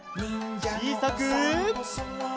ちいさく。